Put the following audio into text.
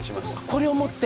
これを持って？